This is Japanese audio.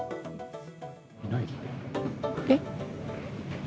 えっ？